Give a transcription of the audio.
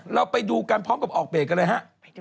เราไปดูกันพร้อมกับออกเบรกกันเลยฮะ